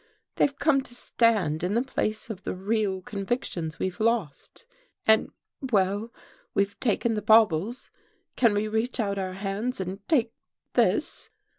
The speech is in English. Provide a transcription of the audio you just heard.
they've come to stand in the place of the real convictions we've lost. And well, we've taken the baubles, can we reach out our hands and take this?